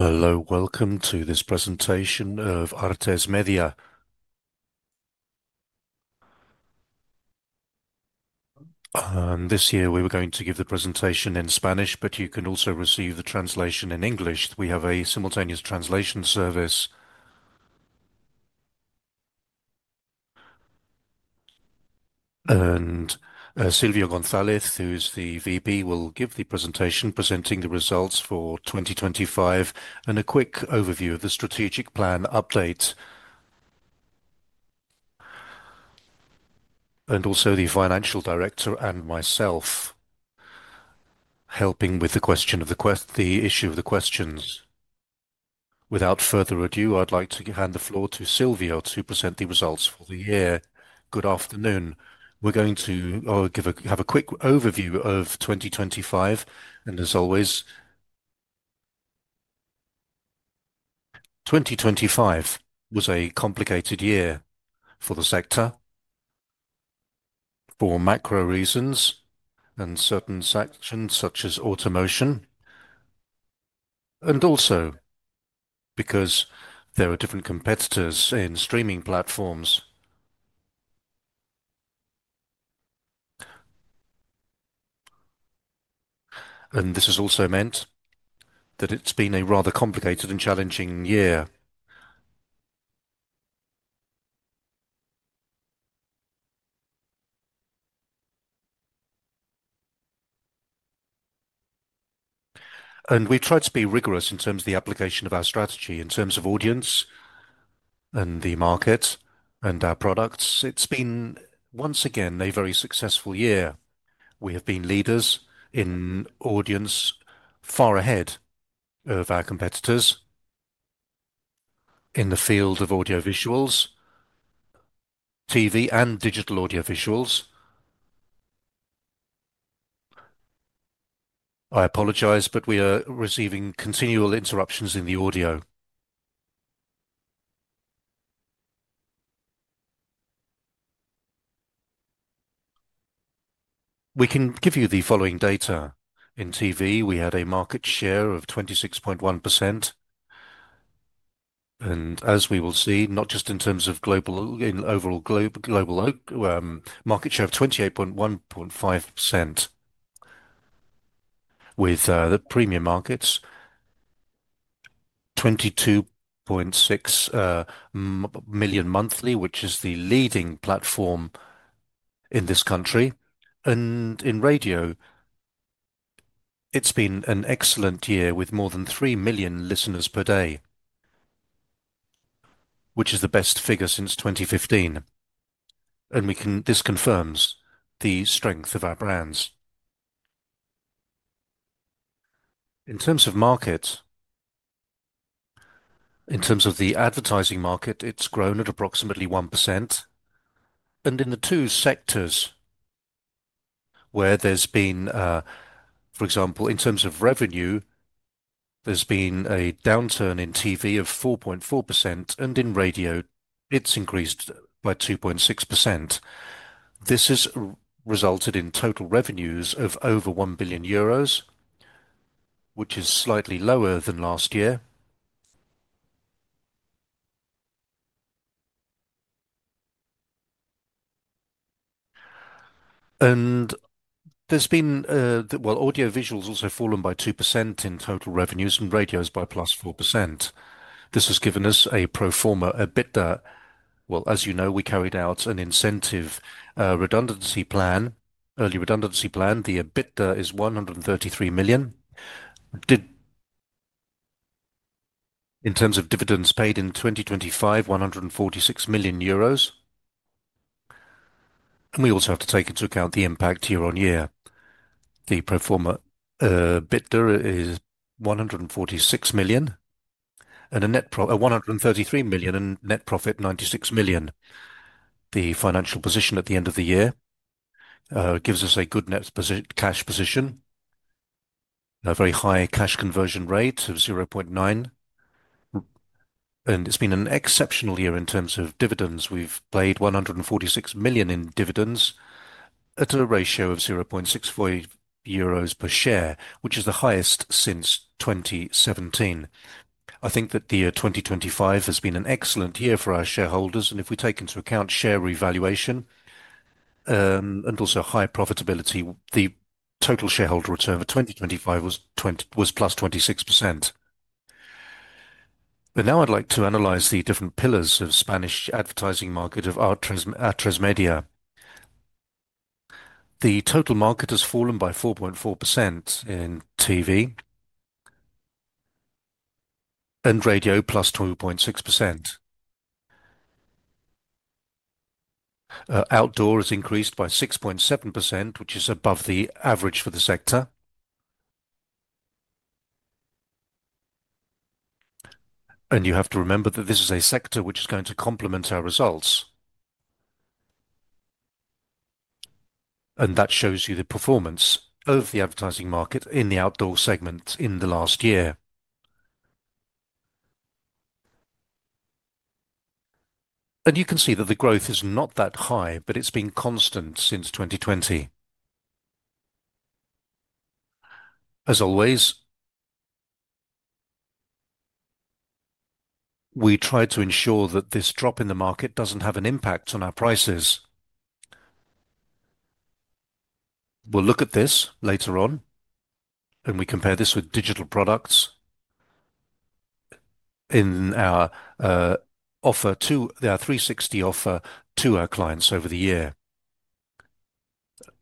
Hello, welcome to this presentation of Atresmedia. This year we were going to give the presentation in Spanish, but you can also receive the translation in English. We have a simultaneous translation service. Silvio González, who is the CEO, will give the presentation, presenting the results for 2025, and a quick overview of the strategic plan update. Also the financial director and myself, helping with the issue of the questions. Without further ado, I'd like to hand the floor to Silvio to present the results for the year. Good afternoon. We're going to have a quick overview of 2025, as always. 2025 was a complicated year for the sector, for macro reasons and certain sections such as automation, also because there are different competitors in streaming platforms. This has also meant that it's been a rather complicated and challenging year. We tried to be rigorous in terms of the application of our strategy, in terms of audience and the market and our products. It's been, once again, a very successful year. We have been leaders in audience, far ahead of our competitors in the field of audio visuals, TV, and digital audio visuals. I apologize, we are receiving continual interruptions in the audio. We can give you the following data. In TV, we had a market share of 26.1%, and as we will see, not just in terms of global... in overall global market share of 28.15%. With the premium markets, 22.6 million monthly, which is the leading platform in this country. In radio, it's been an excellent year with more than three million listeners per day, which is the best figure since 2015. This confirms the strength of our brands. In terms of market, in terms of the advertising market, it's grown at approximately 1%. In the two sectors where there's been. For example, in terms of revenue, there's been a downturn in TV of 4.4%, and in radio, it's increased by 2.6%. This has resulted in total revenues of over 1 billion euros, which is slightly lower than last year. Well, audiovisuals also fallen by 2% in total revenues, and radio by +4%. This has given us a pro forma EBITDA. Well, as you know, we carried out an incentive redundancy plan, early redundancy plan. The EBITDA is 133 million. In terms of dividends paid in 2025, 146 million euros, and we also have to take into account the impact year-on-year. The pro forma EBITDA is 146 million, and a net 133 million, and net profit 96 million. The financial position at the end of the year gives us a good net cash position, a very high cash conversion rate of 0.9, and it's been an exceptional year in terms of dividends. We've paid 146 million in dividends at a ratio of 0.64 euros per share, which is the highest since 2017. I think that the year 2025 has been an excellent year for our shareholders, and if we take into account share revaluation, and also high profitability, the total shareholder return of 2025 was +26%. Now I'd like to analyze the different pillars of Spanish advertising market of Atresmedia. The total market has fallen by 4.4% in TV, and radio plus 12.6%. Outdoor has increased by 6.7%, which is above the average for the sector. You have to remember that this is a sector which is going to complement our results. That shows you the performance of the advertising market in the outdoor segment in the last year. You can see that the growth is not that high, but it's been constant since 2020. As always, we try to ensure that this drop in the market doesn't have an impact on our prices. We'll look at this later on, and we compare this with digital products in our 360 offer to our clients over the year,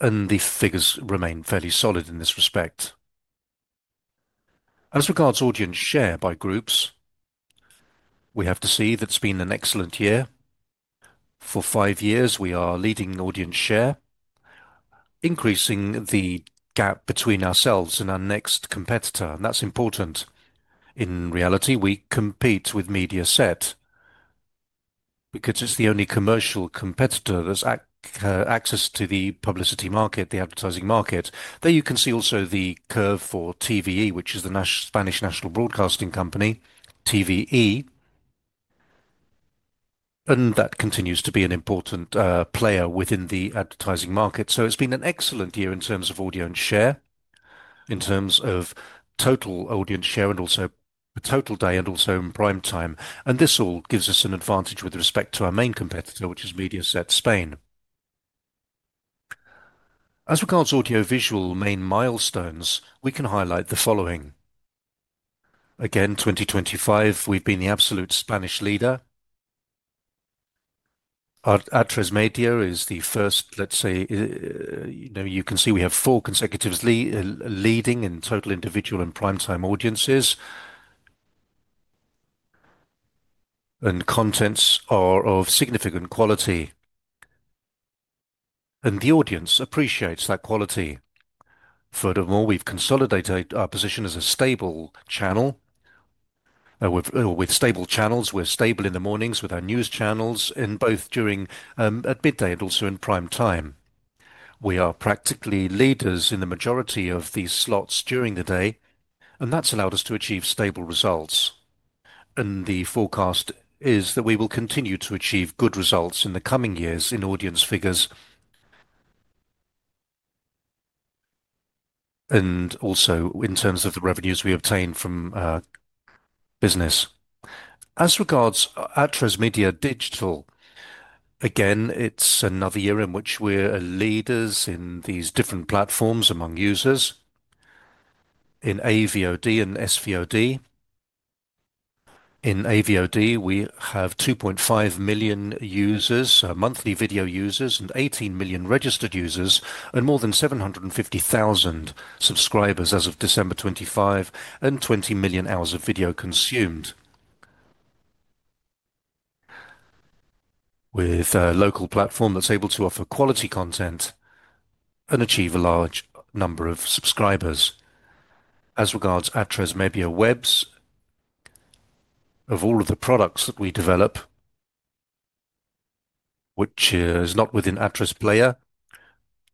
and the figures remain fairly solid in this respect. As regards audience share by groups, we have to see that it's been an excellent year. For 5 years, we are leading audience share, increasing the gap between ourselves and our next competitor, and that's important. In reality, we compete with Mediaset because it's the only commercial competitor that's access to the publicity market, the advertising market. There you can see also the curve for TVE, which is the Spanish National Broadcasting Company, TVE, and that continues to be an important player within the advertising market. It's been an excellent year in terms of audience share, in terms of total audience share, and also total day, and also in prime time, and this all gives us an advantage with respect to our main competitor, which is Mediaset España. As regards audiovisual main milestones, we can highlight the following. Again, 2025, we've been the absolute Spanish leader. Atresmedia is the first, let's say, you know, you can see we have four consecutive leading in total individual and prime time audiences. Contents are of significant quality, and the audience appreciates that quality. Furthermore, we've consolidated our position as a stable channel. With stable channels, we're stable in the mornings with our news channels, in both during at midday and also in prime time. We are practically leaders in the majority of these slots during the day, and that's allowed us to achieve stable results. The forecast is that we will continue to achieve good results in the coming years in audience figures, and also in terms of the revenues we obtain from business. As regards Atresmedia Digital, again, it's another year in which we're leaders in these different platforms among users. In AVOD and SVOD. In AVOD, we have 2.5 million users, monthly video users, and 18 million registered users, and more than 750,000 subscribers as of December 25, and 20 million hours of video consumed. With a local platform that's able to offer quality content and achieve a large number of subscribers. As regards Atresmedia Webs, of all of the products that we develop, which is not within atresplayer,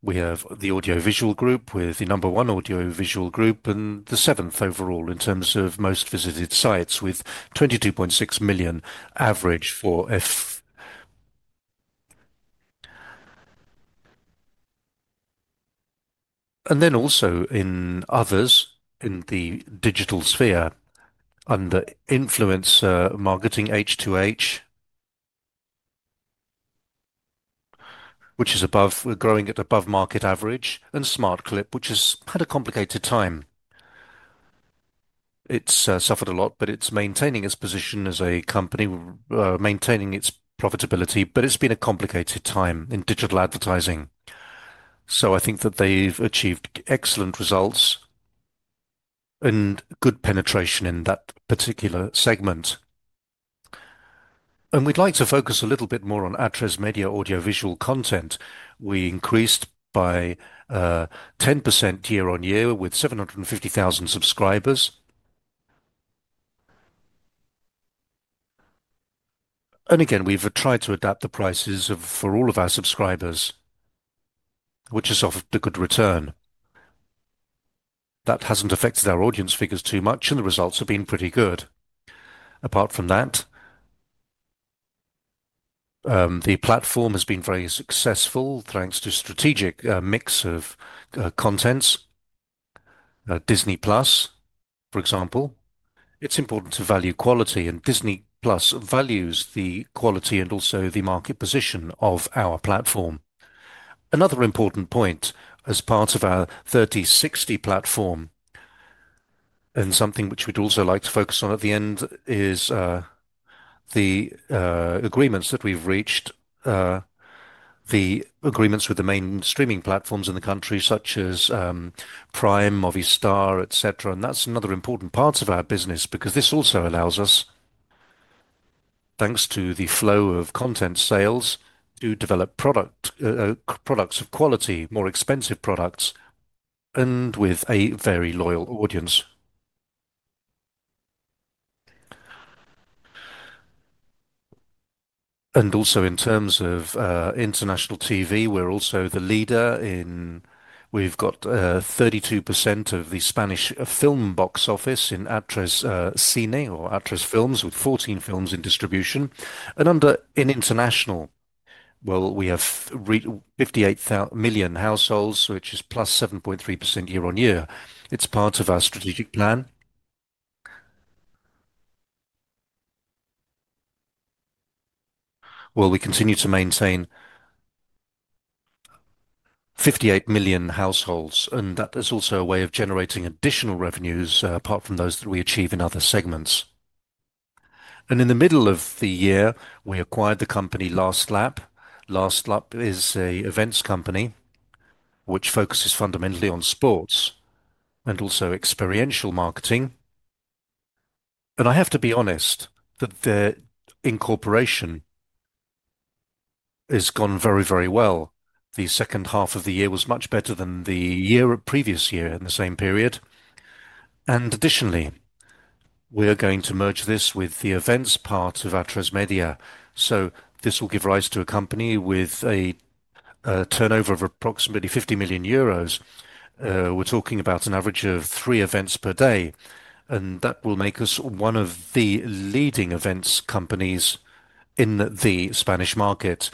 we have the audiovisual group, with the number one audiovisual group and the seventh overall in terms of most visited sites, with 22.6 million average for. Also in others, in the digital sphere, under influencer marketing, H2H, which is growing at above market average, and Smartclip, which has had a complicated time. It's suffered a lot, but it's maintaining its position as a company, maintaining its profitability, but it's been a complicated time in digital advertising. I think that they've achieved excellent results and good penetration in that particular segment. We'd like to focus a little bit more on Atresmedia audiovisual content. We increased by 10% year-on-year, with 750,000 subscribers. Again, we've tried to adapt the prices for all of our subscribers, which has offered a good return. That hasn't affected our audience figures too much, and the results have been pretty good. Apart from that, the platform has been very successful, thanks to strategic mix of contents. Disney+, for example. It's important to value quality, and Disney+ values the quality and also the market position of our platform. Another important point, as part of our 360 platform, and something which we'd also like to focus on at the end, is the agreements that we've reached. The agreements with the main streaming platforms in the country, such as Prime, Movistar, et cetera, that's another important part of our business, because this also allows us, thanks to the flow of content sales, to develop products of quality, more expensive products, and with a very loyal audience. Also, in terms of international TV, we're also the leader in... We've got 32% of the Spanish film box office in Atresmedia Cine or Atres films, with 14 films in distribution. Under international... Well, we have 58 million households, which is +7.3% year-on-year. It's part of our strategic plan. Well, we continue to maintain 58 million households, that is also a way of generating additional revenues, apart from those that we achieve in other segments. In the middle of the year, we acquired the company Last Lap. Last Lap is a events company which focuses fundamentally on sports and also experiential marketing. I have to be honest, that their incorporation has gone very, very well. The second half of the year was much better than the year or previous year in the same period. Additionally, we are going to merge this with the events part of Atresmedia. This will give rise to a company with a turnover of approximately 50 million euros. We're talking about an average of three events per day, and that will make us one of the leading events companies in the Spanish market.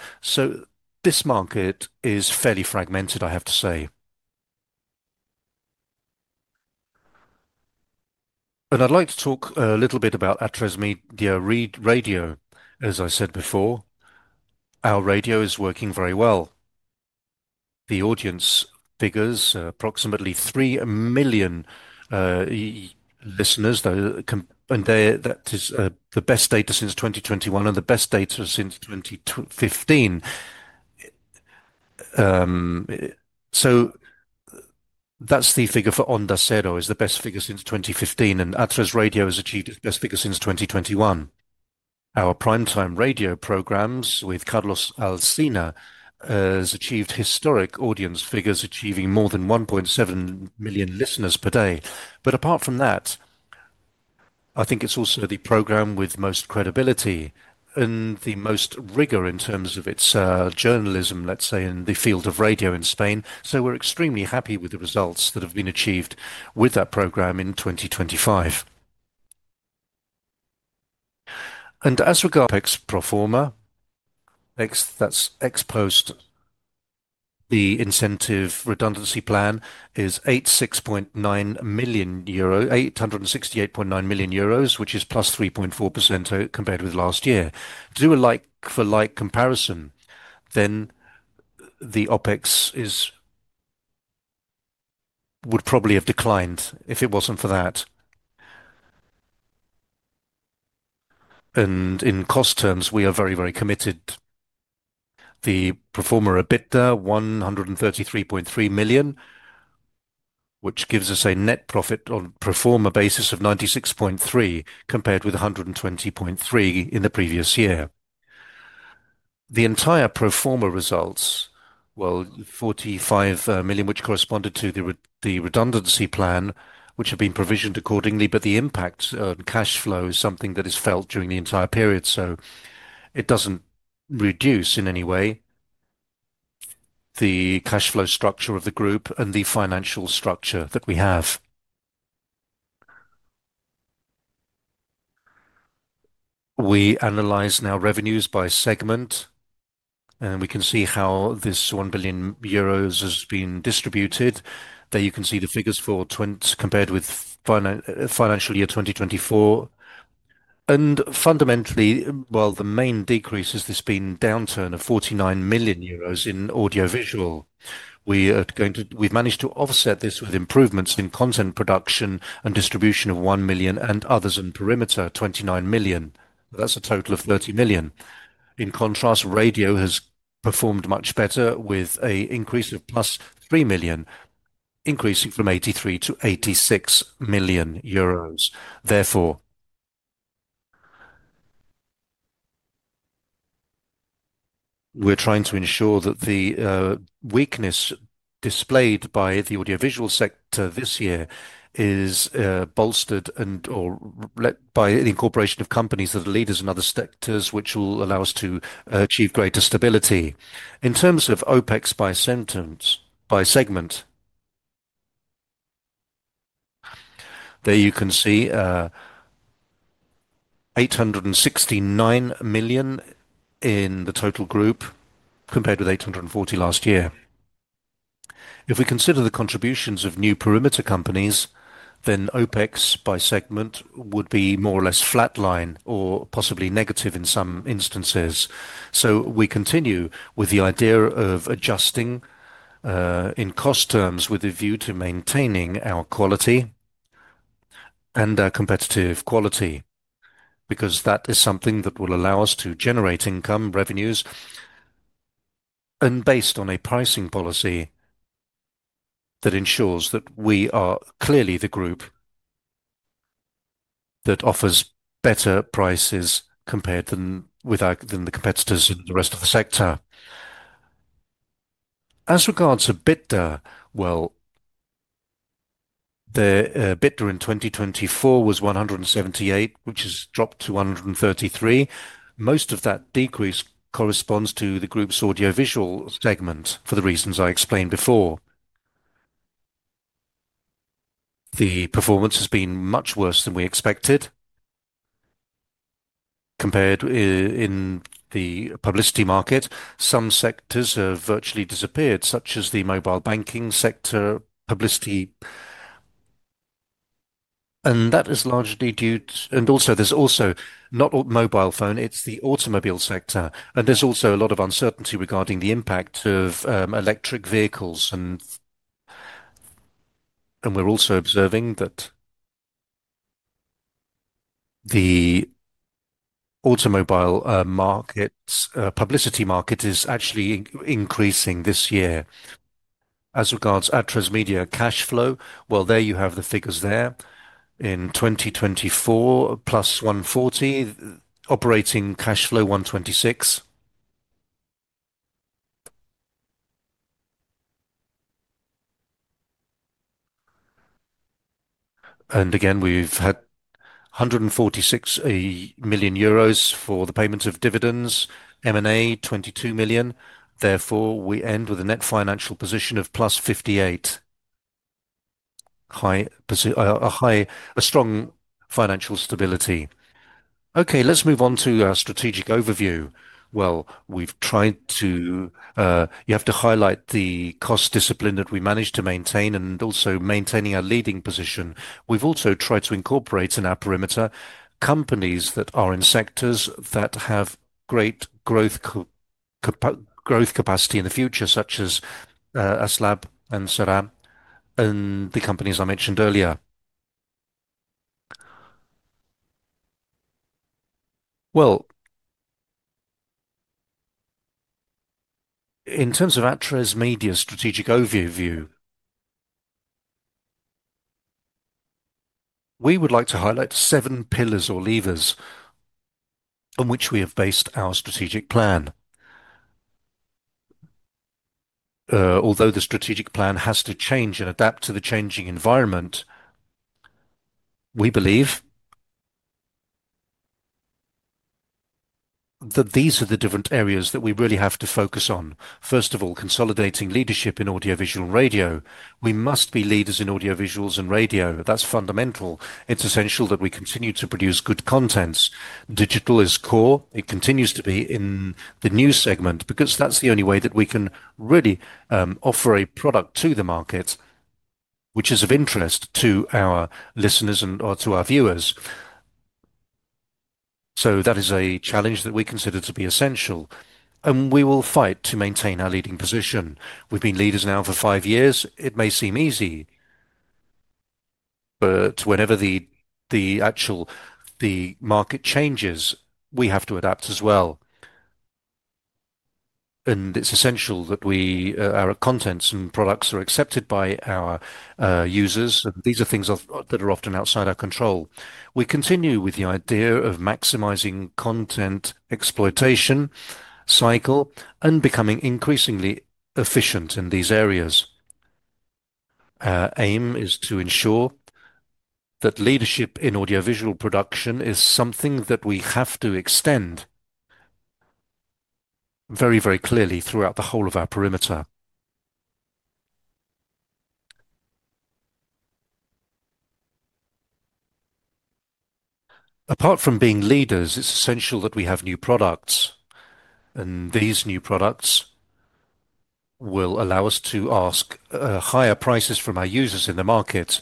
This market is fairly fragmented, I have to say. I'd like to talk a little bit about Atresmedia Radio. As I said before, our radio is working very well. The audience figures, approximately three million listeners. That is the best data since 2021 and the best data since 2015. That's the figure for Onda Cero, is the best figure since 2015, and Atres Radio has achieved its best figure since 2021. Our primetime radio programs with Carlos Alsina has achieved historic audience figures, achieving more than 1.7 million listeners per day. Apart from that, I think it's also the program with most credibility and the most rigor in terms of its journalism, let's say, in the field of radio in Spain. We're extremely happy with the results that have been achieved with that program in 2025. As regard ex pro forma, ex, that's ex post, the incentive redundancy plan is 868.9 million euros, which is +3.4% compared with last year. Do a like for like comparison, the OpEx would probably have declined if it wasn't for that. In cost terms, we are very committed. The pro forma EBITDA, 133.3 million, which gives us a net profit on pro forma basis of 96.3, compared with 120.3 in the previous year. The entire pro forma results, 45 million, which corresponded to the redundancy plan, which have been provisioned accordingly. The impact on cash flow is something that is felt during the entire period. It doesn't reduce in any way the cash flow structure of the group and the financial structure that we have. We analyze now revenues by segment, we can see how this 1 billion euros has been distributed. There you can see the figures for compared with financial year 2024. Fundamentally, well, the main decrease has this been downturn of 49 million euros in audiovisual. We've managed to offset this with improvements in content production and distribution of 1 million and others in perimeter, 29 million. That's a total of 30 million. In contrast, radio has performed much better with an increase of +3 million, increasing from 83 million to 86 million euros. Therefore, we're trying to ensure that the weakness displayed by the audiovisual sector this year is bolstered and/or by the incorporation of companies that are leaders in other sectors, which will allow us to achieve greater stability. In terms of OpEx by segment, there you can see 869 million in the total group, compared with 840 million last year. If we consider the contributions of new perimeter companies, then OpEx by segment would be more or less flatline or possibly negative in some instances. We continue with the idea of adjusting in cost terms, with a view to maintaining our quality and our competitive quality, because that is something that will allow us to generate income revenues, based on a pricing policy that ensures that we are clearly the group that offers better prices compared than with the competitors and the rest of the sector. As regards to EBITDA, well, the EBITDA in 2024 was 178, which has dropped to 133. Most of that decrease corresponds to the group's audiovisual segment for the reasons I explained before. The performance has been much worse than we expected. Compared in the publicity market, some sectors have virtually disappeared, such as the mobile banking sector publicity. That is largely due to, and also, there's not all mobile phone, it's the automobile sector. There's also a lot of uncertainty regarding the impact of electric vehicles. We're also observing that the automobile markets publicity market is actually increasing this year. As regards Atresmedia cash flow, well, there you have the figures there. In 2024, +140, operating cash flow 126. Again, we've had 146 million euros for the payment of dividends, M&A, 22 million. Therefore, we end with a net financial position of +58. A strong financial stability. Okay, let's move on to our strategic overview. Well, we've tried to. You have to highlight the cost discipline that we managed to maintain and also maintaining our leading position. We've also tried to incorporate in our perimeter, companies that are in sectors that have great growth capacity in the future, such as [inaudible] and [inaudible] and the companies I mentioned earlier. In terms of Atresmedia strategic overview, we would like to highlight seven pillars or levers on which we have based our strategic plan. Although the strategic plan has to change and adapt to the changing environment, we believe that these are the different areas that we really have to focus on. First of all, consolidating leadership in audiovisual and radio. We must be leaders in audiovisuals and radio. That's fundamental. It's essential that we continue to produce good contents. Digital is core. It continues to be in the news segment, because that's the only way that we can really offer a product to the market, which is of interest to our listeners and/or to our viewers. That is a challenge that we consider to be essential, and we will fight to maintain our leading position. We've been leaders now for five years. It may seem easy, whenever the market changes, we have to adapt as well. It's essential that we, our contents and products are accepted by our users, and these are things that are often outside our control. We continue with the idea of maximizing content exploitation cycle and becoming increasingly efficient in these areas. Our aim is to ensure that leadership in audiovisual production is something that we have to extend very, very clearly throughout the whole of our perimeter. Apart from being leaders, it's essential that we have new products. These new products will allow us to ask higher prices from our users in the market.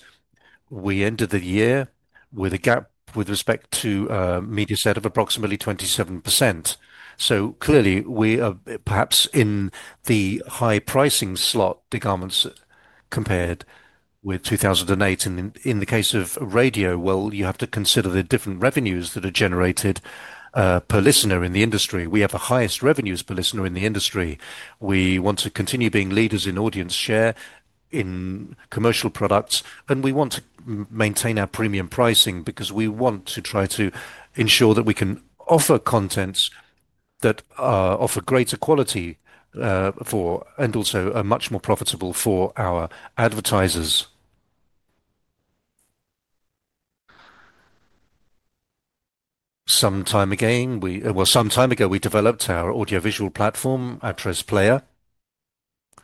We ended the year with a gap with respect to Mediaset of approximately 27%. Clearly, we are perhaps in the high pricing slot decaments compared with 2008. In the case of radio, well, you have to consider the different revenues that are generated per listener in the industry. We have the highest revenues per listener in the industry. We want to continue being leaders in audience share, in commercial products, and we want to maintain our premium pricing because we want to try to ensure that we can offer contents that offer greater quality for, and also are much more profitable for our advertisers. Some time ago, we developed our audiovisual platform, atresplayer,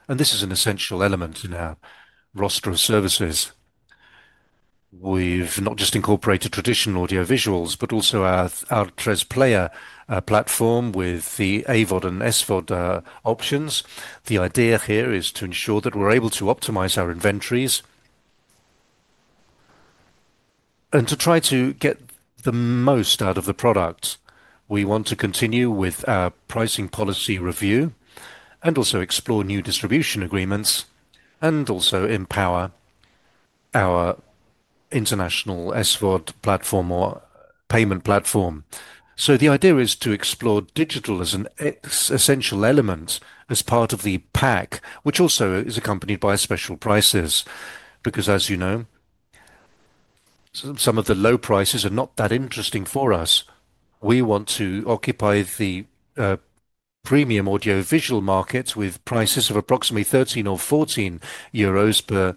and this is an essential element in our roster of services. We've not just incorporated traditional audiovisuals, but also our atresplayer platform with the AVOD and SVOD options. The idea here is to ensure that we're able to optimize our inventories, and to try to get the most out of the product. We want to continue with our pricing policy review and also explore new distribution agreements, and also empower our international SVOD platform or payment platform. The idea is to explore digital as an essential element, as part of the pack, which also is accompanied by special prices, because as you know, some of the low prices are not that interesting for us. We want to occupy the premium audiovisual market with prices of approximately 13 or 14 euros per.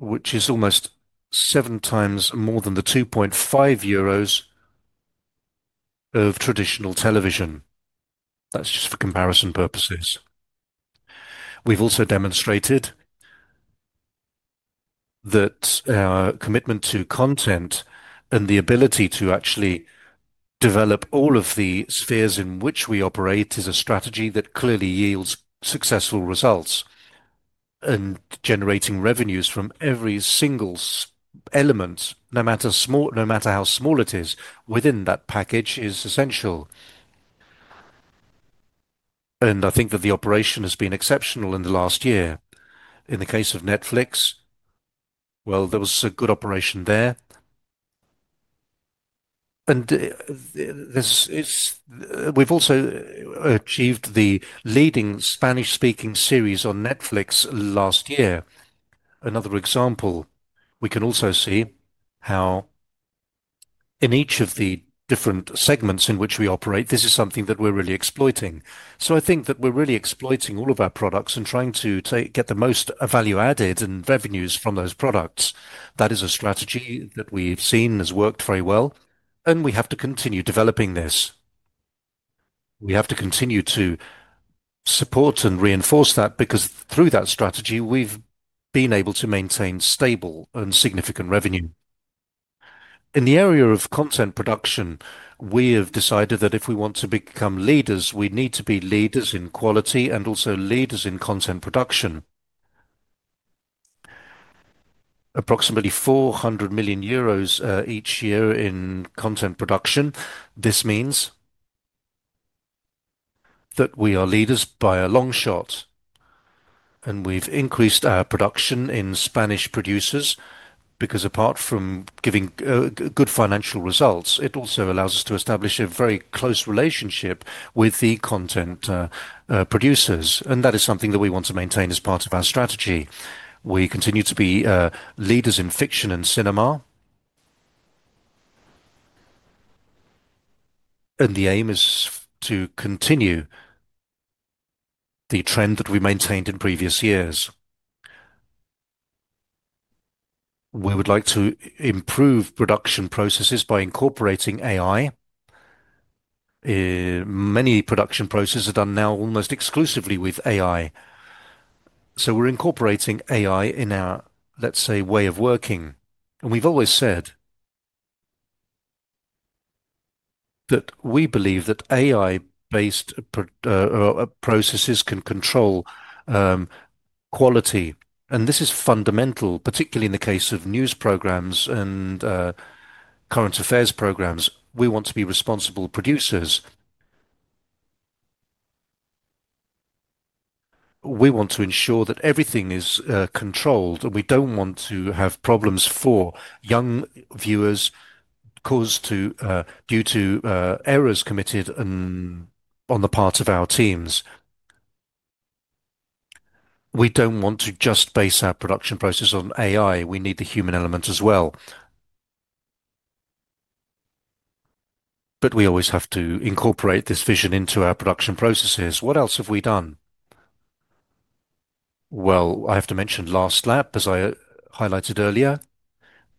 Which is almost seven times more than 2.5 euros of traditional television. That's just for comparison purposes. We've also demonstrated that our commitment to content and the ability to actually develop all of the spheres in which we operate is a strategy that clearly yields successful results. Generating revenues from every single element, no matter how small it is, within that package is essential. I think that the operation has been exceptional in the last year. In the case of Netflix, well, there was a good operation there, and we've also achieved the leading Spanish-speaking series on Netflix last year. Another example, we can also see how in each of the different segments in which we operate, this is something that we're really exploiting. I think that we're really exploiting all of our products and trying to get the most value-added and revenues from those products. That is a strategy that we've seen has worked very well, and we have to continue developing this. We have to continue to support and reinforce that because through that strategy, we've been able to maintain stable and significant revenue. In the area of content production, we have decided that if we want to become leaders, we need to be leaders in quality and also leaders in content production. Approximately 400 million euros each year in content production. This means that we are leaders by a long shot, and we've increased our production in Spanish producers, because apart from giving good financial results, it also allows us to establish a very close relationship with the content producers, and that is something that we want to maintain as part of our strategy. We continue to be leaders in fiction and cinema. The aim is to continue the trend that we maintained in previous years. We would like to improve production processes by incorporating AI. Many production processes are done now almost exclusively with AI. We're incorporating AI in our, let's say, way of working. We've always said that we believe that AI-based. Processes can control quality, and this is fundamental, particularly in the case of news programs and current affairs programs. We want to be responsible producers. We want to ensure that everything is controlled, and we don't want to have problems for young viewers due to errors committed on the part of our teams. We don't want to just base our production process on AI. We need the human element as well. We always have to incorporate this vision into our production processes. What else have we done? Well, I have to mention Last Lap, as I highlighted earlier.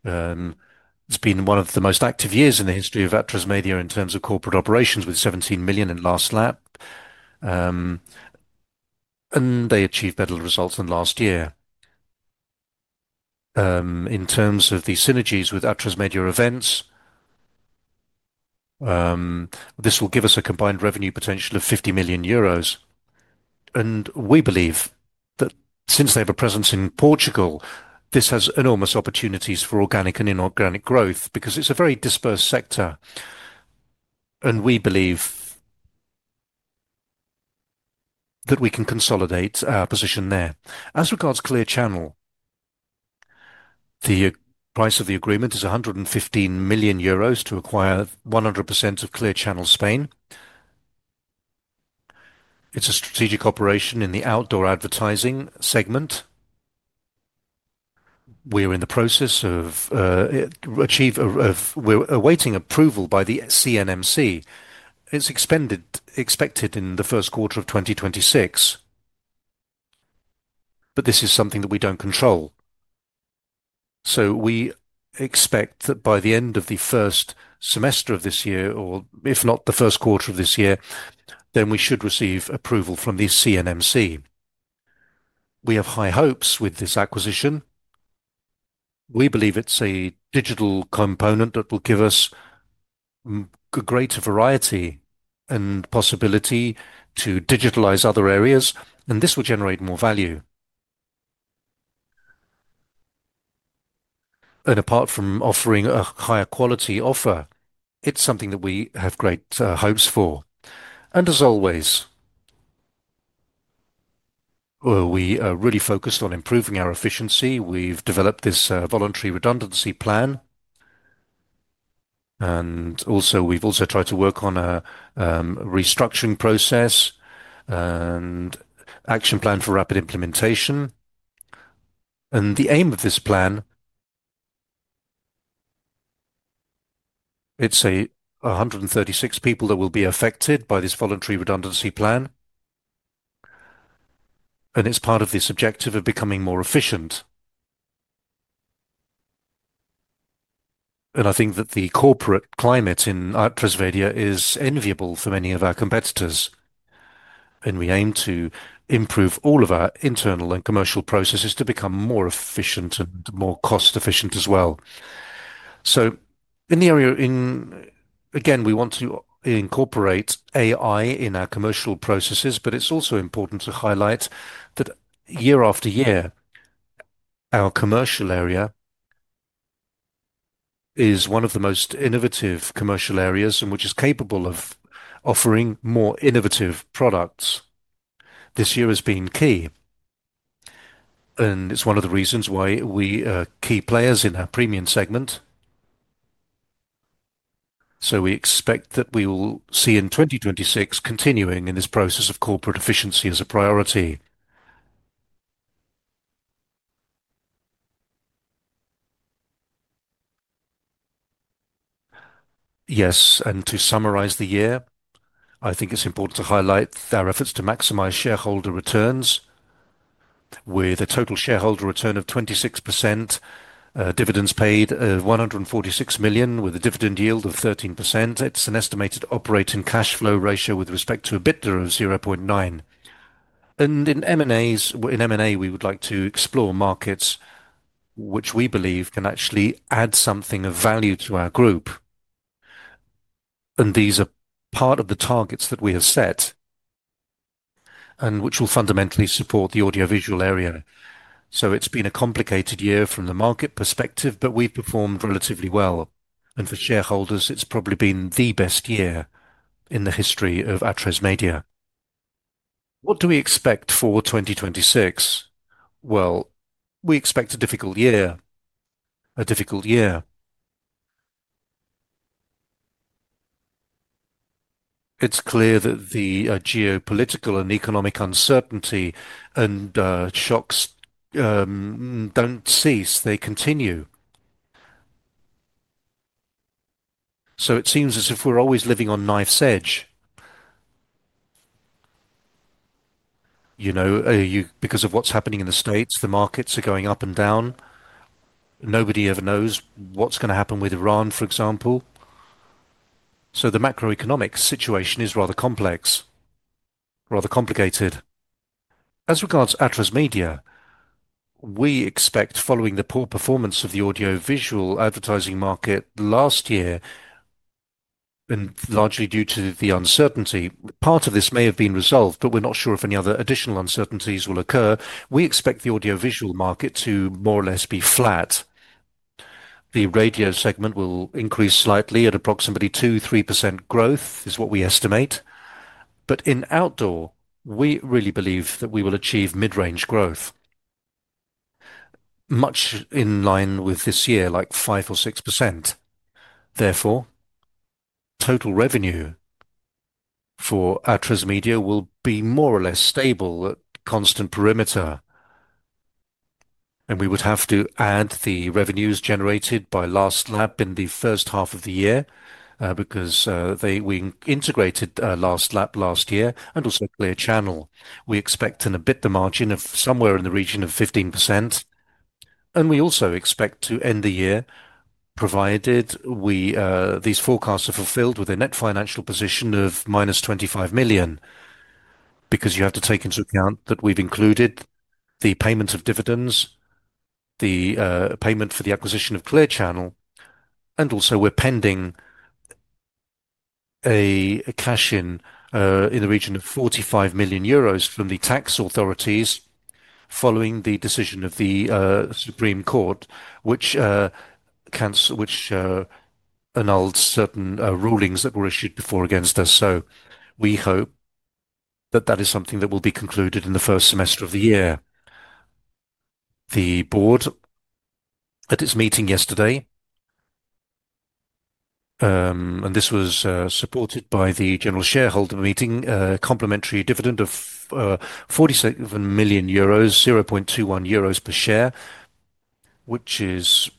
It's been one of the most active years in the history of Atresmedia in terms of corporate operations, with 17 million in Last Lap, and they achieved better results than last year. In terms of the synergies with Atresmedia Eventos, this will give us a combined revenue potential of 50 million euros, and we believe that since they have a presence in Portugal, this has enormous opportunities for organic and inorganic growth because it's a very dispersed sector, and we believe that we can consolidate our position there. As regards Clear Channel, the price of the agreement is 115 million euros to acquire 100% of Clear Channel Spain. It's a strategic operation in the outdoor advertising segment. We are in the process of awaiting approval by the CNMC. It's expected in the first quarter of 2026, but this is something that we don't control. We expect that by the end of the first semester of this year, or if not the first quarter of this year, we should receive approval from the CNMC. We have high hopes with this acquisition. We believe it's a digital component that will give us greater variety and possibility to digitalize other areas, this will generate more value. Apart from offering a higher quality offer, it's something that we have great hopes for. As always, we are really focused on improving our efficiency. We've developed this voluntary redundancy plan, we've also tried to work on a restructuring process and action plan for rapid implementation. The aim of this plan. It's 136 people that will be affected by this voluntary redundancy plan. It's part of this objective of becoming more efficient. I think that the corporate climate in Atresmedia is enviable for many of our competitors, and we aim to improve all of our internal and commercial processes to become more efficient and more cost-efficient as well. In the area again, we want to incorporate AI in our commercial processes, but it's also important to highlight that year after year, our commercial area is one of the most innovative commercial areas, and which is capable of offering more innovative products. This year has been key, and it's one of the reasons why we are key players in our premium segment. We expect that we will see in 2026, continuing in this process of corporate efficiency as a priority. Yes, to summarize the year, I think it's important to highlight our efforts to maximize shareholder returns with a total shareholder return of 26%, dividends paid, 146 million, with a dividend yield of 13%. It's an estimated operating cash flow ratio with respect to EBITDA of 0.9. In M&A, we would like to explore markets which we believe can actually add something of value to our group, and these are part of the targets that we have set and which will fundamentally support the audiovisual area. It's been a complicated year from the market perspective, but we've performed relatively well, and for shareholders, it's probably been the best year in the history of Atresmedia. What do we expect for 2026? Well, we expect a difficult year. It's clear that the geopolitical and economic uncertainty and shocks don't cease, they continue. It seems as if we're always living on knife's edge. You know, because of what's happening in the States, the markets are going up and down. Nobody ever knows what's gonna happen with Iran, for example. The macroeconomic situation is rather complex, rather complicated. As regards Atresmedia, we expect following the poor performance of the audiovisual advertising market last year, and largely due to the uncertainty, part of this may have been resolved, but we're not sure if any other additional uncertainties will occur. We expect the audiovisual market to more or less be flat. The radio segment will increase slightly at approximately 2%-3% growth, is what we estimate. In outdoor, we really believe that we will achieve mid-range growth, much in line with this year, like 5% or 6%. Therefore, total revenue for Atresmedia will be more or less stable at constant perimeter, and we would have to add the revenues generated by LastLap in the first half of the year, because we integrated LastLap last year and also Clear Channel. We expect an EBITDA margin of somewhere in the region of 15%, and we also expect to end the year, provided these forecasts are fulfilled with a net financial position of -25 million. You have to take into account that we've included the payment of dividends, the payment for the acquisition of Clear Channel, and also we're pending a cash-in in the region of 45 million euros from the tax authorities, following the decision of the Supreme Court, which annulled certain rulings that were issued before against us. We hope that that is something that will be concluded in the first semester of the year. The board, at its meeting yesterday, and this was supported by the general shareholder meeting, a complimentary dividend of 47 million euros, 0.21 euros per share, which is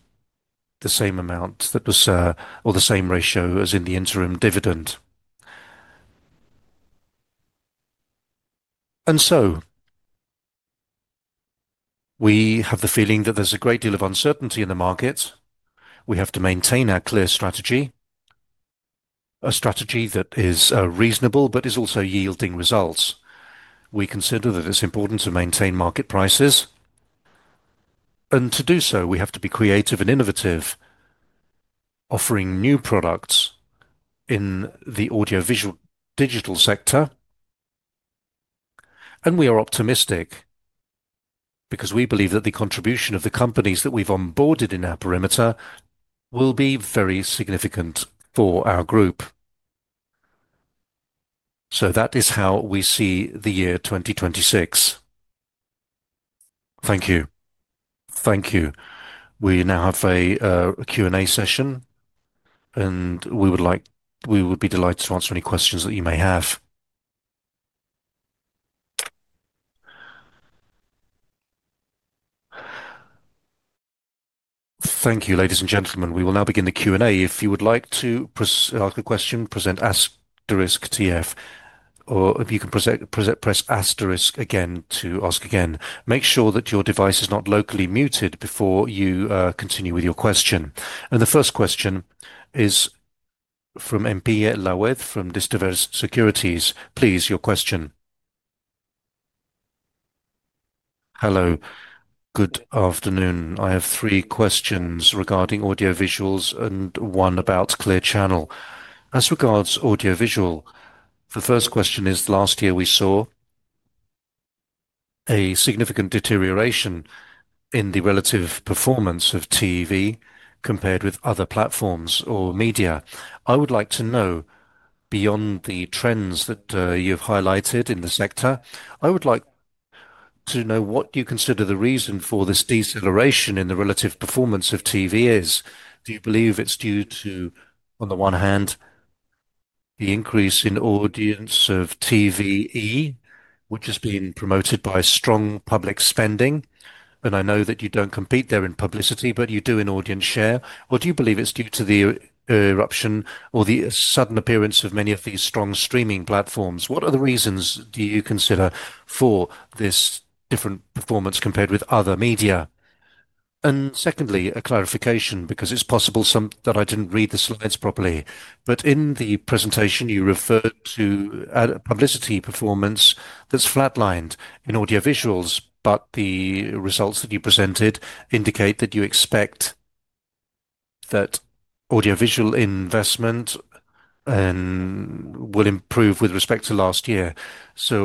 the same amount that was or the same ratio as in the interim dividend. We have the feeling that there's a great deal of uncertainty in the market. We have to maintain our clear strategy, a strategy that is reasonable, but is also yielding results. We consider that it's important to maintain market prices, and to do so, we have to be creative and innovative, offering new products in the audiovisual digital sector. We are optimistic because we believe that the contribution of the companies that we've onboarded in our perimeter will be very significant for our group. That is how we see the year 2026. Thank you. Thank you. We now have a Q&A session, and we would be delighted to answer any questions that you may have. Thank you, ladies and gentlemen. We will now begin the Q&A. If you would like to press, ask a question, press asterisk TF, or if you can press asterisk again to ask again. Make sure that your device is not locally muted before you continue with your question. The first question is from [inaudible] from [inaudible] Securities. Please, your question. Hello. Good afternoon. I have three questions regarding audiovisuals and one about Clear Channel. As regards audiovisual, the first question is: Last year we saw a significant deterioration in the relative performance of TV compared with other platforms or media. I would like to know, beyond the trends that you've highlighted in the sector, I would like to know what you consider the reason for this deceleration in the relative performance of TV is. Do you believe it's due to, on the one hand, the increase in audience of TVE, which is being promoted by strong public spending? I know that you don't compete there in publicity, but you do in audience share. Or do you believe it's due to the eruption or the sudden appearance of many of these strong streaming platforms? What other reasons do you consider for this different performance compared with other media? Secondly, a clarification, because it's possible some that I didn't read the slides properly. In the presentation, you referred to a publicity performance that's flatlined in audiovisuals, but the results that you presented indicate that you expect that audiovisual investment will improve with respect to last year.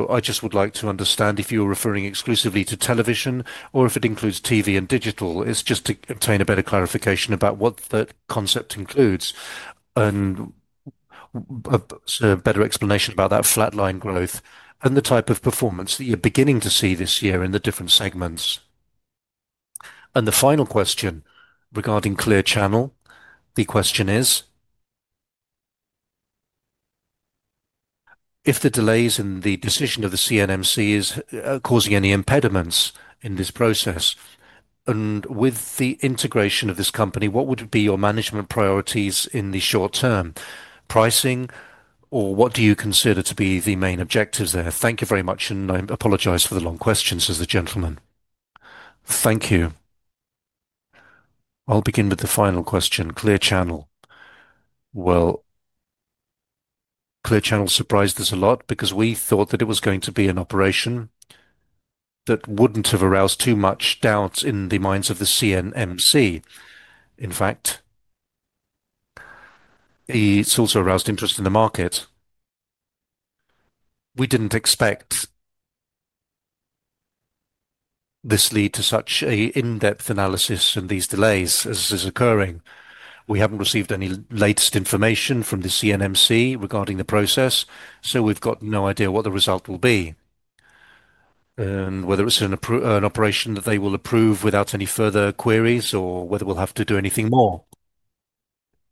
I just would like to understand if you're referring exclusively to television or if it includes TV and digital. It's just to obtain a better clarification about what that concept includes and so a better explanation about that flatline growth and the type of performance that you're beginning to see this year in the different segments. The final question regarding Clear Channel, the question is: If the delays in the decision of the CNMC is causing any impediments in this process, and with the integration of this company, what would be your management priorities in the short term? Pricing, or what do you consider to be the main objectives there? Thank you very much, and I apologize for the long questions, as the gentleman. Thank you. I'll begin with the final question, Clear Channel. Clear Channel surprised us a lot because we thought that it was going to be an operation that wouldn't have aroused too much doubt in the minds of the CNMC. In fact, it's also aroused interest in the market. We didn't expect this lead to such a in-depth analysis and these delays as is occurring. We haven't received any latest information from the CNMC regarding the process, we've got no idea what the result will be, whether it's an operation that they will approve without any further queries, or whether we'll have to do anything more.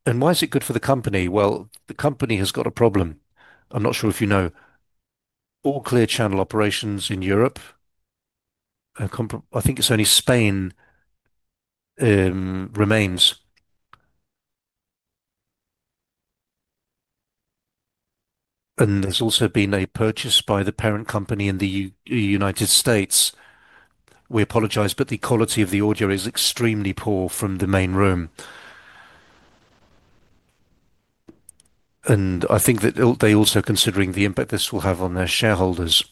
Why is it good for the company? Well, the company has got a problem. I'm not sure if you know. All Clear Channel operations in Europe are I think it's only Spain, remains. There's also been a purchase by the parent company in the United States. We apologize, the quality of the audio is extremely poor from the main room. I think that they're also considering the impact this will have on their shareholders.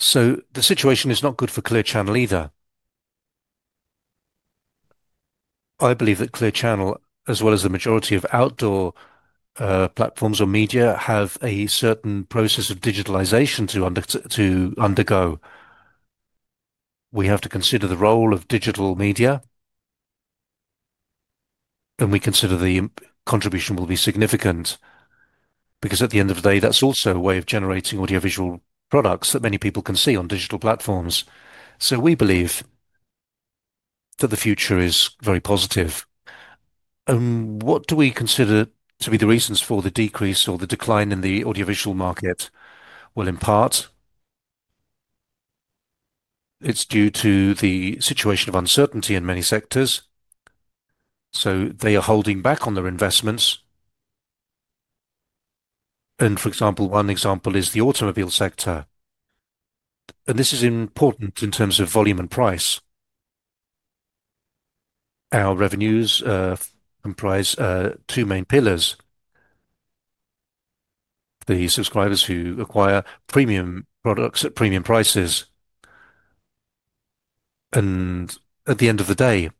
The situation is not good for Clear Channel either. I believe that Clear Channel, as well as the majority of outdoor platforms or media, have a certain process of digitalization to undergo. We have to consider the role of digital media. We consider the contribution will be significant, because at the end of the day, that's also a way of generating audiovisual products that many people can see on digital platforms. We believe that the future is very positive. What do we consider to be the reasons for the decrease or the decline in the audiovisual market? Well, in part, it's due to the situation of uncertainty in many sectors, so they are holding back on their investments. For example, one example is the automobile sector, and this is important in terms of volume and price. Our revenues comprise two main pillars. The subscribers who acquire premium products at premium prices. At the end of the day,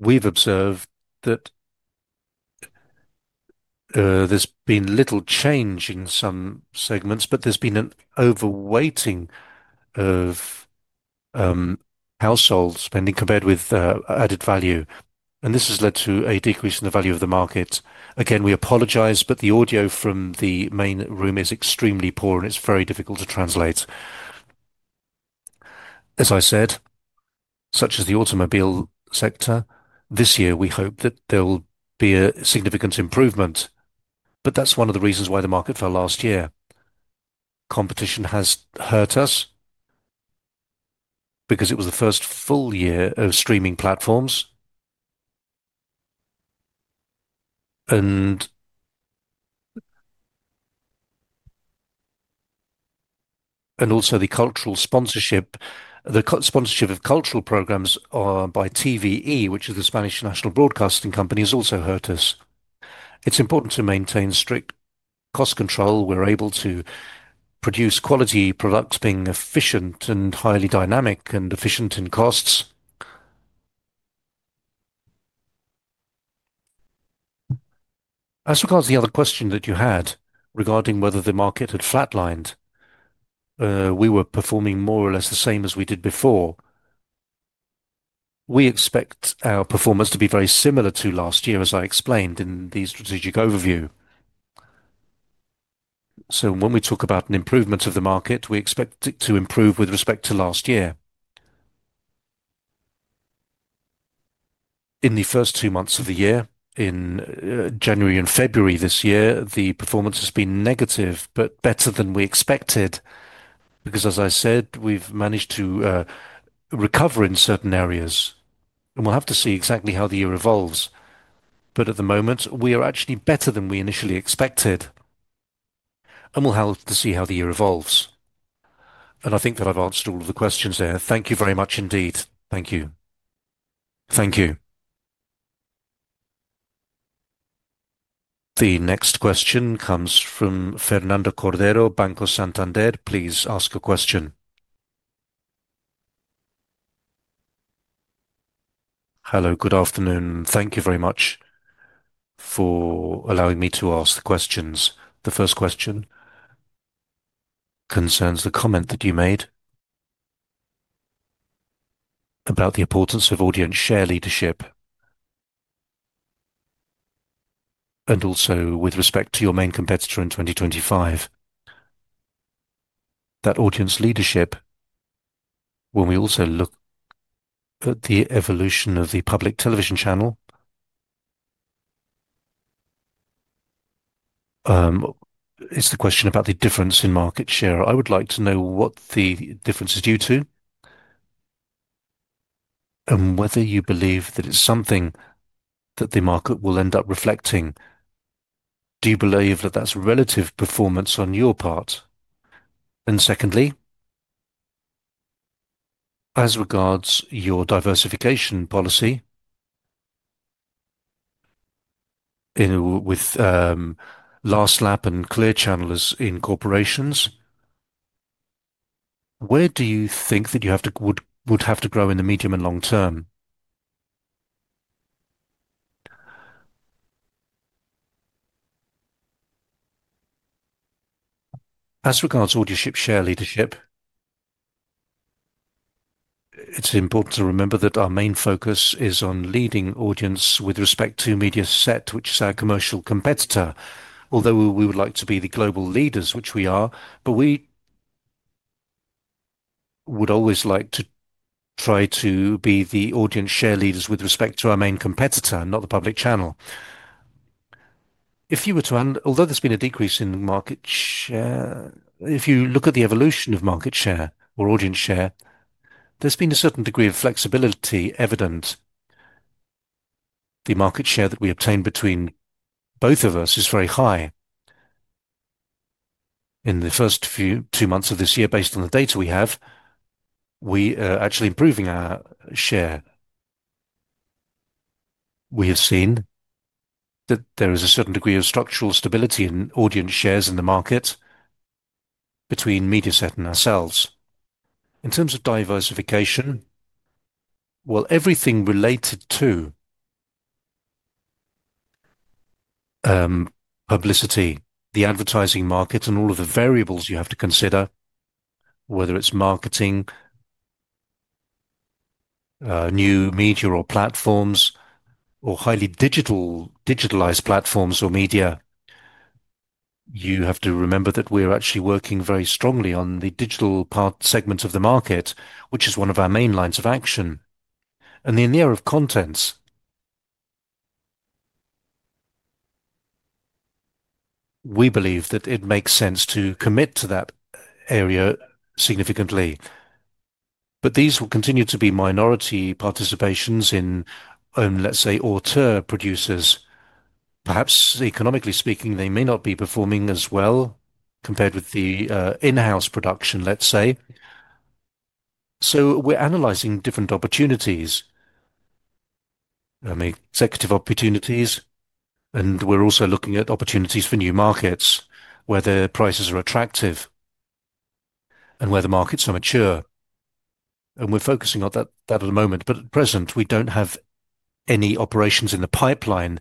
we've observed that there's been little change in some segments, but there's been an over-weighting of household spending compared with added value, and this has led to a decrease in the value of the market. Again, we apologize, but the audio from the main room is extremely poor, and it's very difficult to translate. As I said such as the automobile sector, this year, we hope that there will be a significant improvement. That's one of the reasons why the market fell last year. Competition has hurt us because it was the first full year of streaming platforms. Also the cultural sponsorship, the co- sponsorship of cultural programs by TVE, which is the Spanish National Broadcasting Company, has also hurt us. It's important to maintain strict cost control. We're able to produce quality products, being efficient and highly dynamic and efficient in costs. As regards the other question that you had regarding whether the market had flatlined, we were performing more or less the same as we did before. We expect our performance to be very similar to last year, as I explained in the strategic overview. When we talk about an improvement of the market, we expect it to improve with respect to last year. In the first two months of the year, in January and February this year, the performance has been negative, but better than we expected, because as I said, we've managed to recover in certain areas, and we'll have to see exactly how the year evolves. At the moment, we are actually better than we initially expected, and we'll have to see how the year evolves. I think that I've answered all of the questions there. Thank you very much indeed. Thank you. Thank you. The next question comes from Fernando Cordero, Banco Santander. Please ask a question. Hello, good afternoon. Thank you very much for allowing me to ask the questions. The first question concerns the comment that you made about the importance of audience share leadership and also with respect to your main competitor in 2025. That audience leadership, when we also look at the evolution of the public television channel, is the question about the difference in market share. I would like to know what the difference is due to, and whether you believe that it's something that the market will end up reflecting. Do you believe that that's relative performance on your part? Secondly, as regards your diversification policy in with Last Lap and Clear Channel as incorporations, where do you think that you would have to grow in the medium and long term? As regards audienceship share leadership, it's important to remember that our main focus is on leading audience with respect to Mediaset, which is our commercial competitor. Although we would like to be the global leaders, which we are, but we would always like to try to be the audience share leaders with respect to our main competitor, not the public channel. Although there's been a decrease in market share, if you look at the evolution of market share or audience share, there's been a certain degree of flexibility evident. The market share that we obtained between both of us is very high. In the first few, two months of this year, based on the data we have, we are actually improving our share. We have seen that there is a certain degree of structural stability in audience shares in the market between Mediaset and ourselves. In terms of diversification, well, everything related to publicity, the advertising market, and all of the variables you have to consider, whether it's marketing, new media or platforms, or highly digital, digitalized platforms or media, you have to remember that we're actually working very strongly on the digital part segment of the market, which is one of our main lines of action. In the area of contents, we believe that it makes sense to commit to that area significantly. These will continue to be minority participations in, let's say, auteur producers. Perhaps economically speaking, they may not be performing as well compared with the in-house production, let's say. We're analyzing different opportunities, executive opportunities, and we're also looking at opportunities for new markets where the prices are attractive and where the markets are mature. We're focusing on that at the moment, but at present, we don't have any operations in the pipeline,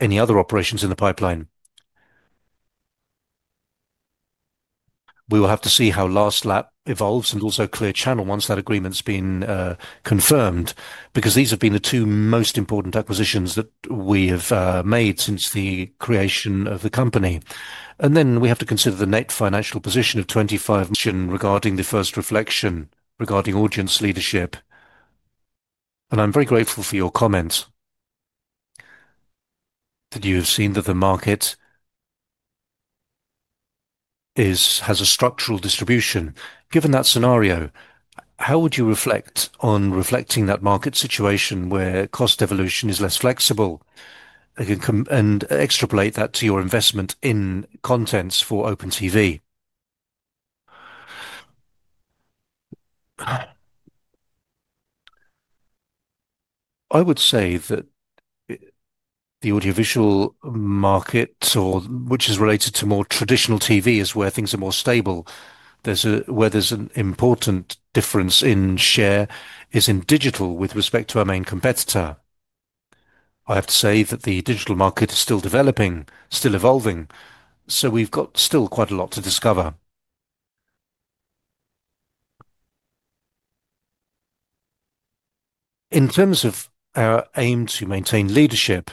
any other operations in the pipeline. We will have to see how Last Lap evolves and also Clear Channel once that agreement's been, confirmed, because these have been the two most important acquisitions that we have made since the creation of the company. Then we have to consider the net financial position of 25 million regarding the first reflection, regarding audience leadership. I'm very grateful for your comments. That you have seen that the market has a structural distribution. Given that scenario, how would you reflect on reflecting that market situation where cost evolution is less flexible? I can extrapolate that to your investment in contents for Open TV. I would say that the audiovisual market or which is related to more traditional TV is where things are more stable. Where there's an important difference in share is in digital with respect to our main competitor. I have to say that the digital market is still developing, still evolving, so we've got still quite a lot to discover. In terms of our aim to maintain leadership,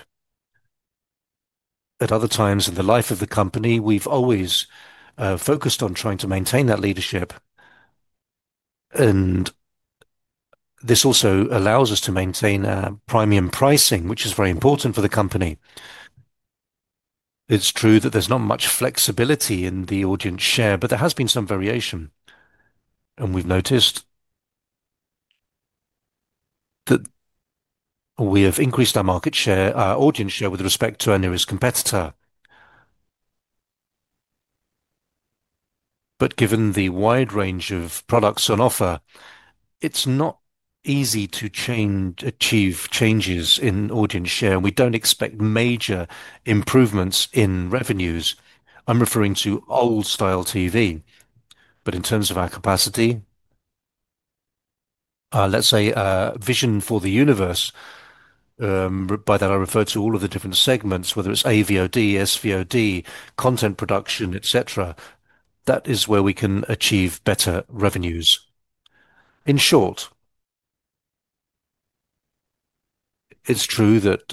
at other times in the life of the company, we've always focused on trying to maintain that leadership. This also allows us to maintain premium pricing, which is very important for the company. It's true that there's not much flexibility in the audience share, but there has been some variation, and we've noticed that we have increased our market share, our audience share, with respect to our nearest competitor. Given the wide range of products on offer, it's not easy to change, achieve changes in audience share, and we don't expect major improvements in revenues. I'm referring to old-style TV. In terms of our capacity, let's say, vision for the universe, by that I refer to all of the different segments, whether it's AVOD, SVOD, content production, et cetera. That is where we can achieve better revenues. In short, it's true that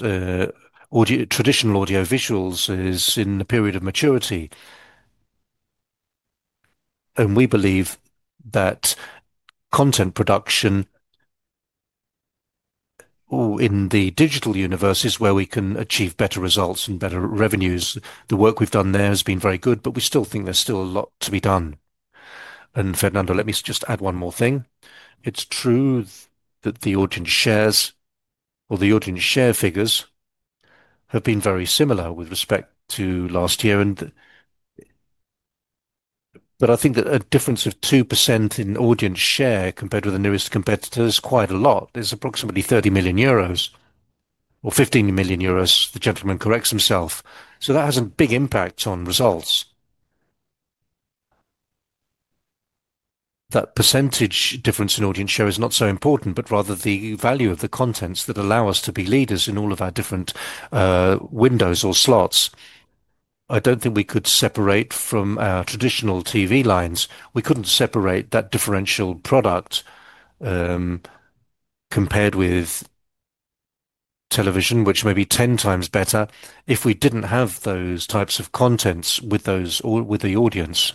traditional audiovisuals is in a period of maturity, and we believe that content production or in the digital universe is where we can achieve better results and better revenues. The work we've done there has been very good, but we still think there's still a lot to be done. Fernando, let me just add one more thing. It's true that the audience shares or the audience share figures have been very similar with respect to last year. I think that a difference of 2% in audience share compared with the nearest competitor is quite a lot. It's approximately 30 million euros or 15 million euros, the gentleman corrects himself, so that has a big impact on results. That percentage difference in audience share is not so important, but rather the value of the contents that allow us to be leaders in all of our different windows or slots. I don't think we could separate from our traditional TV lines. We couldn't separate that differential product compared with television, which may be 10 times better if we didn't have those types of contents with those or with the audience.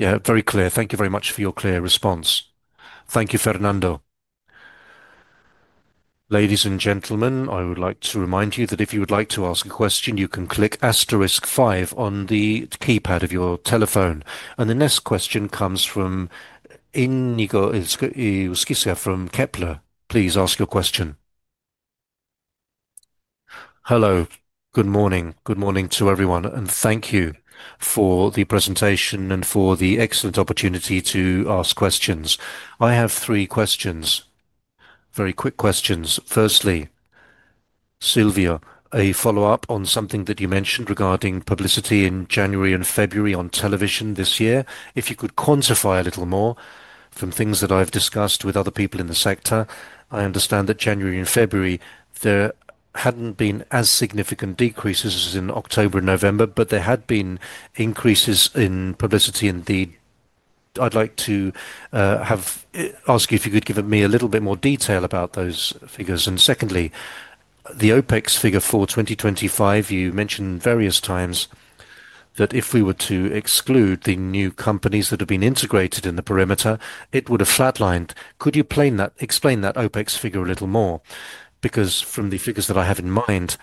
Yeah, very clear. Thank you very much for your clear response. Thank you, Fernando. Ladies and gentlemen, I would like to remind you that if you would like to ask a question, you can click asterisk five on the keypad of your telephone. The next question comes from Íñigo Egusquiza from Kepler. Please ask your question. Hello, good morning. Good morning to everyone, thank you for the presentation and for the excellent opportunity to ask questions. I have three questions, very quick questions. Firstly, Silvio, a follow-up on something that you mentioned regarding publicity in January and February on television this year. If you could quantify a little more from things that I've discussed with other people in the sector, I understand that January and February, there hadn't been as significant decreases as in October and November, but there had been increases in publicity, indeed. I'd like to have ask you if you could give me a little bit more detail about those figures. Secondly, the OpEx figure for 2025, you mentioned various times that if we were to exclude the new companies that have been integrated in the perimeter, it would have flatlined. Could you explain that OpEx figure a little more? Because from the figures that I have in mind,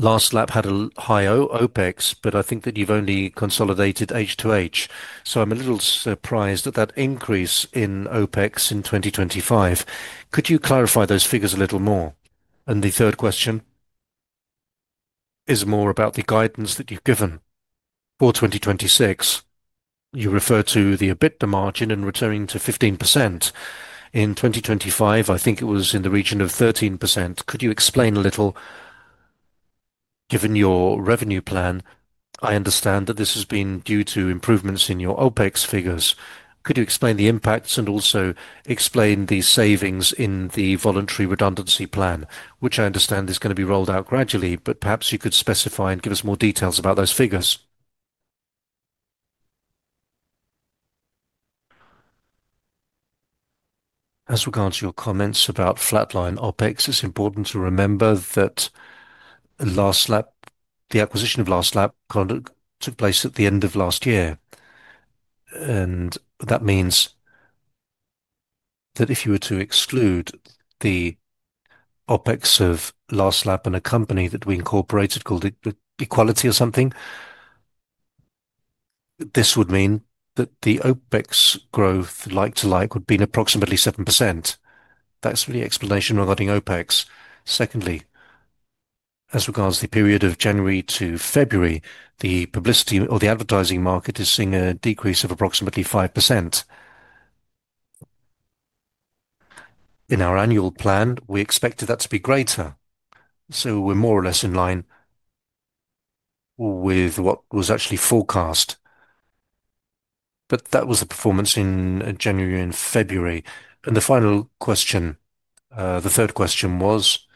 Last Lap had a high OpEx, but I think that you've only consolidated H2H, so I'm a little surprised at that increase in OpEx in 2025. Could you clarify those figures a little more? The third question is more about the guidance that you've given. For 2026, you refer to the EBITDA margin and returning to 15%. In 2025, I think it was in the region of 13%. Could you explain a little, given your revenue plan, I understand that this has been due to improvements in your OpEx figures. Could you explain the impacts and also explain the savings in the voluntary redundancy plan, which I understand is gonna be rolled out gradually, but perhaps you could specify and give us more details about those figures. As regards to your comments about flatline OpEx, it's important to remember that Lastlap, the acquisition of Lastlap kind of took place at the end of last year. That means that if you were to exclude the OpEx of Lastlap and a company that we incorporated called equality or something, this would mean that the OpEx growth like to like would be approximately 7%. That's the explanation regarding OpEx. Secondly, as regards to the period of January to February, the publicity or the advertising market is seeing a decrease of approximately 5%. In our annual plan, we expected that to be greater, so we're more or less in line with what was actually forecast. That was the performance in January and February. The final question, the third question was.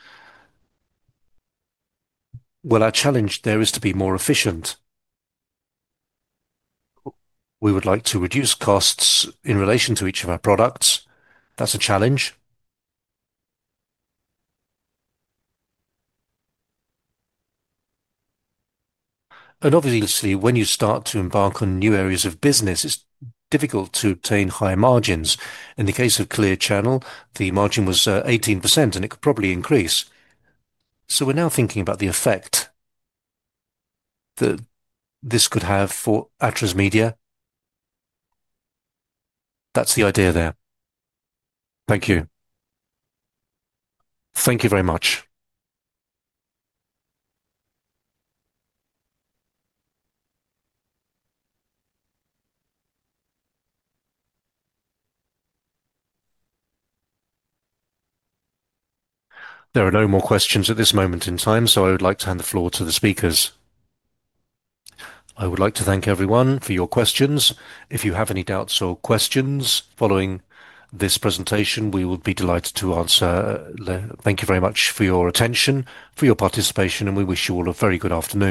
Well, our challenge there is to be more efficient. We would like to reduce costs in relation to each of our products. That's a challenge. Obviously, when you start to embark on new areas of business, it's difficult to obtain high margins. In the case of Clear Channel, the margin was 18%, and it could probably increase. We're now thinking about the effect that this could have for Atresmedia. That's the idea there. Thank you. Thank you very much. There are no more questions at this moment in time, so I would like to hand the floor to the speakers. I would like to thank everyone for your questions. If you have any doubts or questions following this presentation, we would be delighted to answer. Thank you very much for your attention, for your participation, and we wish you all a very good afternoon.